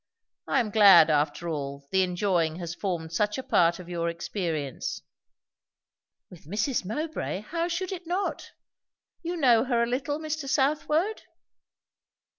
I am glad, after all, the enjoying has formed such a part of your experience." "With Mrs. Mowbray, how should it not? You know her a little, Mr. Southwode?"